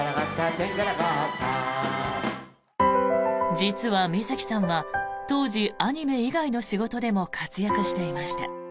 実は水木さんは当時、アニメ以外の仕事でも活躍していました。